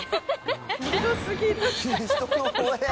ひどすぎる。